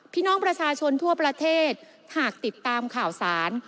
พี่น้องประชาชนทั่วประเทศหากติดตามข่าวสาร